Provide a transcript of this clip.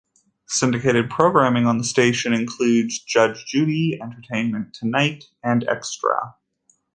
Syndicated programming on the station includes "Judge Judy", "Entertainment Tonight", and "Extra".